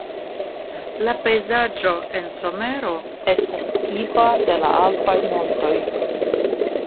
La pejzaĝo en somero estas tipa de la alpaj montoj.